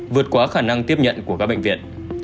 vượt quá khả năng tiếp nhận của các bệnh viện